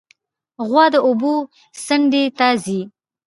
غوا د اوبو څنډې ته ځي.